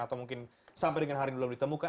atau mungkin sampai dengan hari ini belum ditemukan